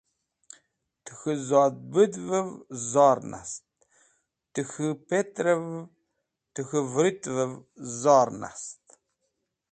Tẽ k̃hũ zodbũd’vev zor nast, tẽ k̃hũ vũrũt’vev, tẽ k̃hũ pet’rev zor nast.